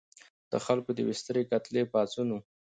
د خلکو د یوې سترې کتلې پاڅون و.